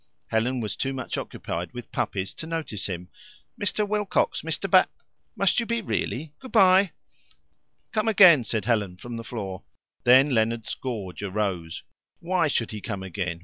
Helen was too much occupied with puppies to notice him. "Mr. Wilcox, Mr. Ba Must you be really? Good bye!" "Come again," said Helen from the floor. Then Leonard's gorge arose. Why should he come again?